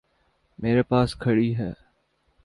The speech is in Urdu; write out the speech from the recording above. میرے پاس کھڑی ہے۔